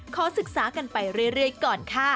ขอศึกษากันไปเรื่อยก่อนค่ะ